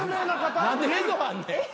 何で映像あんねん。